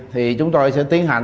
thì chúng tôi sẽ tiến hành